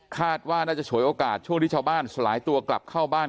คาดว่าน่าจะฉวยโอกาสช่วงที่ชาวบ้านสลายตัวกลับเข้าบ้าน